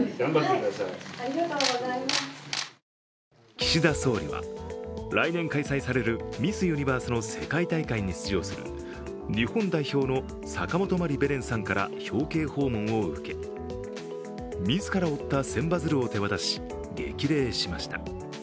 岸田総理は来年開催されるミス・ユニバースの世界大会に出場する日本代表の坂本麻里ベレンさんから表敬訪問を受け自ら折った千羽鶴を手渡し激励しました。